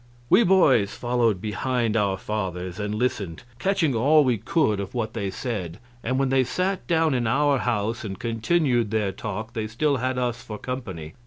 We boys followed behind our fathers, and listened, catching all we could of what they said; and when they sat down in our house and continued their talk they still had us for company.